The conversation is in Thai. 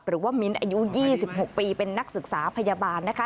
มิ้นท์อายุ๒๖ปีเป็นนักศึกษาพยาบาลนะคะ